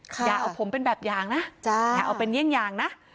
อย่าเอาผมเป็นแบบยางนะอย่าเอาเป็นเงี้ยงนะ